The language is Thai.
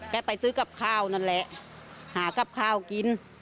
ไปซื้อกับข้าวนั่นแหละหากับข้าวกิน